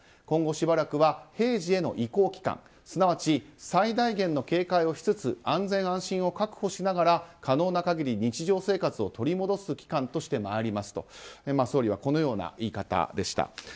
今後しばらくは平時への移行期間すなわち最大限の警戒をしつつ安全・安心を確保しながら可能な限り日常生活を取り戻す期間としてまいりますと総理はこのような言い方でした。